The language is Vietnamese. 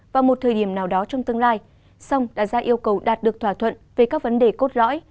vào một thời điểm nào đó trong tương lai song đã ra yêu cầu đạt được thỏa thuận về các vấn đề cốt lõi